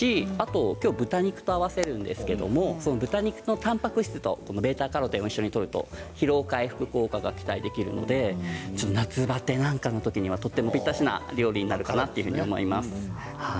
豚肉と合わせるんですけれど豚肉とたんぱく質とβ−カロテンを一緒にとると疲労回復効果が期待できますので夏バテなんかのときにはぴったりな料理だと思います。